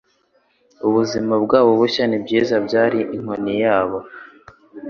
Ubuzima bwabo bushya nibyiza byari inkoni yabo